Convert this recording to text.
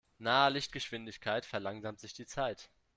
Nahe Lichtgeschwindigkeit verlangsamt sich die Zeit.